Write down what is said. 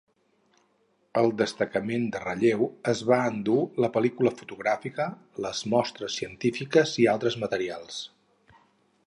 El destacament de relleu es va endur la pel·lícula fotogràfica, les mostres científiques i altres materials.